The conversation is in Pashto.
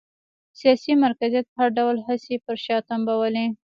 سیاسي مرکزیت هر ډول هڅې یې پر شا تمبولې